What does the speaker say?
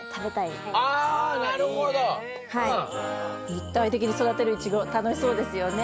立体的に育てるイチゴ楽しそうですよね。